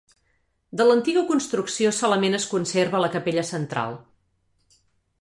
De l'antiga construcció solament es conserva la capella central.